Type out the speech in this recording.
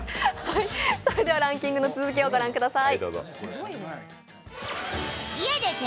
それでは、ランキングの続きを御覧ください。